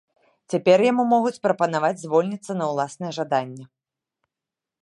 Цяпер яму могуць прапанаваць звольніцца на ўласнае жаданне.